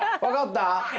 分かった？